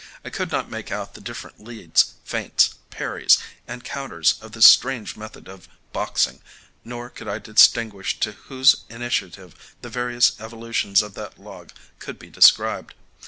I could not make out the different leads, feints, parries, and counters of this strange method of boxing, nor could I distinguish to whose initiative the various evolutions of that log could be described.